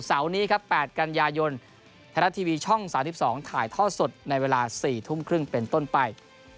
เสาร์นี้ครับ๘กันยายนไทยรัฐทีวีช่อง๓๒ถ่ายท่อสดในเวลา๔ทุ่มครึ่งเป็นต้นไป